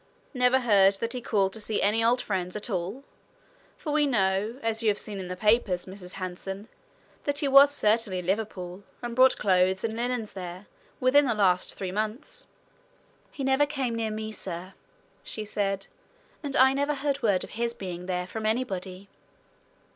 "Never heard that he called to see any old friends at all? For we know, as you have seen in the papers, Mrs. Hanson, that he was certainly in Liverpool, and bought clothes and linen there, within this last three months." "He never came near me, sir," she said. "And I never heard word of his being there from anybody."